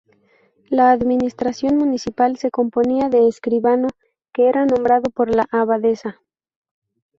La administración municipal se componía de escribano, que era nombrado por la abadesa.